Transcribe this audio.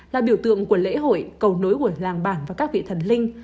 là biểu tượng của lễ hội cầu nối của làng bản và các vị thần linh